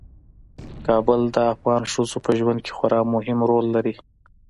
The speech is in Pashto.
کابل د افغان ښځو په ژوند کې خورا مهم رول لري.